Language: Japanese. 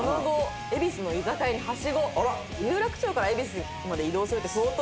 有楽町から恵比寿まで移動するって相当ですよ。